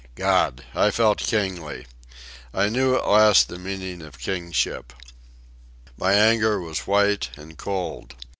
God! I felt kingly. I knew at last the meaning of kingship. My anger was white and cold.